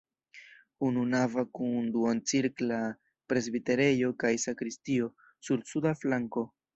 Ununava kun duoncirkla presbiterejo kaj sakristio sur suda flanko.